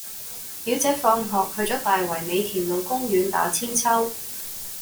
表姐放學去左大圍美田路公園打韆鞦